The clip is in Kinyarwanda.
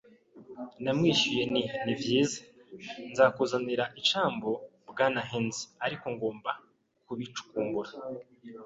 Namwishuye nti: “Ni vyiza.” “Nzakuzanira icyambu, Bwana Hands. Ariko ngomba kubicukumbura. ”